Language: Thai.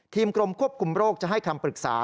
กรมควบคุมโรคจะให้คำปรึกษา